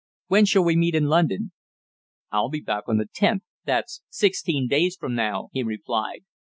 "When shall we meet in London?" "I'll be back on the 10th that's sixteen days from now," he replied.